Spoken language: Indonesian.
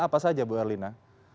apa saja bu erlina